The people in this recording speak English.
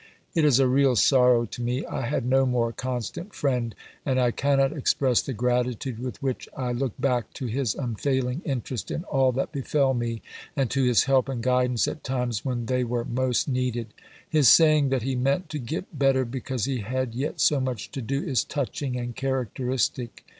It is a real sorrow to me. I had no more constant friend, and I cannot express the gratitude with which I look back to his unfailing interest in all that befell me and to his help and guidance at times when they were most needed. His saying that he meant to get better "because he had yet so much to do" is touching and characteristic.